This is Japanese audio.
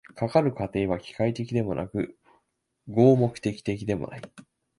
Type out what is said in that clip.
かかる過程は機械的でもなく合目的的でもない。